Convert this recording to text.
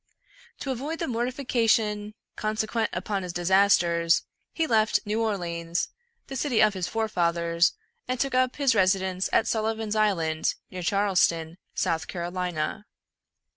To avoid the mortifica tion consequent upon his disasters, he left New Orleans, the city of his forefathers, and took up his residence at Sullivan's Island, near Charleston, South Carolina.